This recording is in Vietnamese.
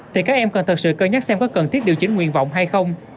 thì các em cần thật sự cân nhắc xem có cần thiết điều chỉnh nguyện vọng hay không